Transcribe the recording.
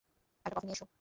একটা কফি নিয়ে এসো।